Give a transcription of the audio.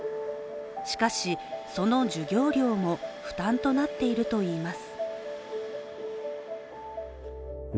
しかし、その授業料も負担となっているといいます。